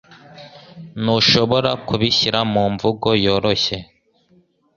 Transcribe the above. Ntushobora kubishyira mu mvugo yoroshye?